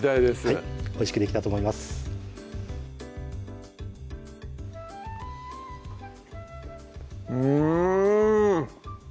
はいおいしくできたと思いますうん！